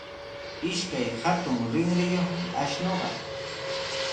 Ishkay hatun rinriyuqmi ashnuqa.